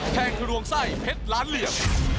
แทงทะลวงไส้เพชรล้านเหรียญ